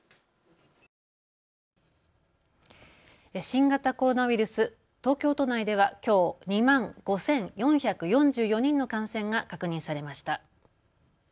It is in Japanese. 新型コロナウイルス、東京都内ではきょう、２万５４４４人の感染が確認されました。